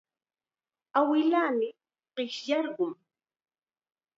Awilaami qishyarqun.